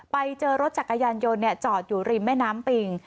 ไปเจอรถจักรยานยนต์จอดอยู่ริมแม่น้ำปิง